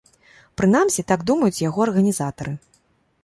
Прынамсі, так думаюць яго арганізатары.